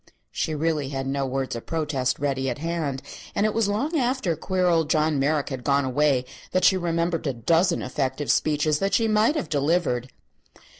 She really had no words of protest ready at hand, and it was long after queer old John Merrick had gone away that she remembered a dozen effective speeches that she might have delivered.